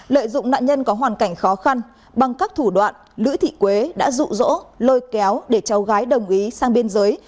lợi dụng nạn nhân có hoàn cảnh khó khăn bằng các thủ đoạn lữ thị quế đã rụ rỗ lôi kéo để cháu gái đồng ý sang biên giới